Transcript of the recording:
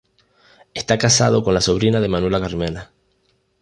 Está casado con la sobrina de Manuela Carmena.